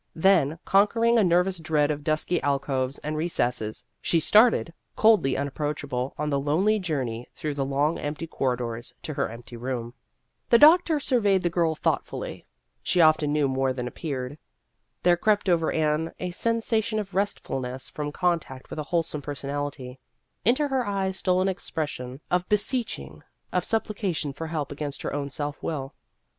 Then, conquering a nervous dread of dusky alcoves and re cesses, she started, coldly unapproachable, on the lonely journey through the long empty corridors to her empty room. The doctor surveyed the girl thought fully ; she often knew more than appeared. There crept over Anne a sensation of rest fulness from contact with a wholesome personality ; into her eyes stole an expres sion of beseeching of supplication for help against her own self will.